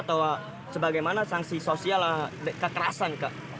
atau sebagaimana sanksi sosial kekerasan kak